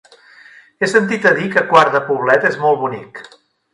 He sentit a dir que Quart de Poblet és molt bonic.